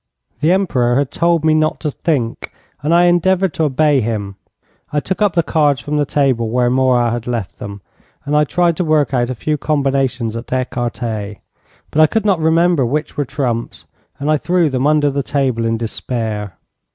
The Emperor had told me not to think, and I endeavoured to obey him. I took up the cards from the table where Morat had left them, and I tried to work out a few combinations at écarté. But I could not remember which were trumps, and I threw them under the table in despair.